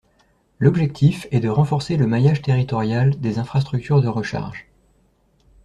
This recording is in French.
L’objectif est de renforcer le maillage territorial des infrastructures de recharge.